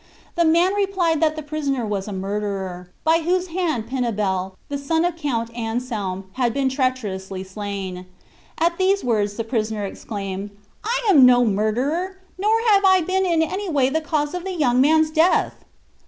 The man replied that the prisoner was a murderer, by whose hand Pinabel, the son of Count Anselm, had been treacherously slain. At these words the prisoner exclaimed, "I am no murderer, nor have I been in any way the cause of the young man's death."